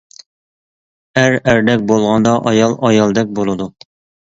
ئەر ئەردەك بولغاندا ئايال ئايالدەك بولىدۇ.